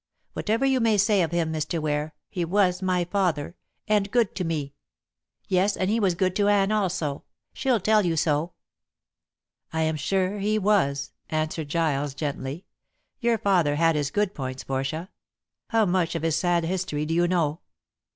Whatever you may say of him, Mr. Ware, he was my father, and good to me. Yes, and he was good to Anne also. She'll tell you so." "I am sure he was," answered Giles gently. "Your father had his good points, Portia. How much of his sad history do you know?"